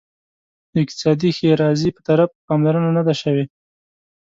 د اقتصادي ښیرازي په طرف پاملرنه نه ده شوې.